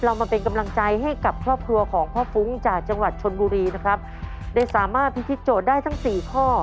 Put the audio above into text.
เรามาเป็นกำลังใจให้กับครอบครัวของพ่อฟุ้งจากจังหวัดชนบุรีนะครับได้สามารถพิธีโจทย์ได้ทั้งสี่ข้อ